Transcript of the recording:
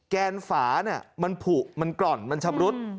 แกนฝาเนี่ยมันผูกมันกร่อนมันชำรุด